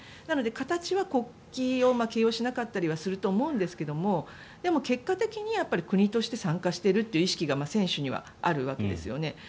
なので、形は国旗を掲揚しなかったりはすると思いますがでも、結果的に国として参加しているという意識が選手にはあるわけですよね。